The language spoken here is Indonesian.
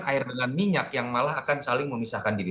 air dengan minyak yang malah akan saling memisahkan diri